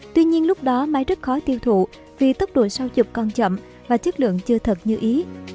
tuy nhiên lúc đó máy rất khó tiêu thụ vì tốc độ sau chụp còn chậm và chất lượng chưa thật như ý